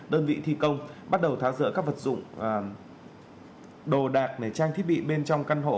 đơn vị thi công bắt đầu tháo rỡ các vật dụng đồ đạc để trang thiết bị bên trong căn hộ